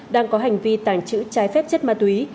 đang có hành vi tàng trữ trái phép chất ma túy